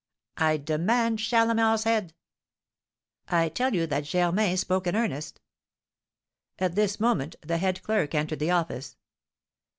'" "I demand Chalamel's head!" "I tell you that Germain spoke in earnest." At this moment the head clerk entered the office.